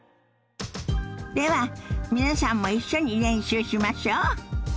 では皆さんも一緒に練習しましょ。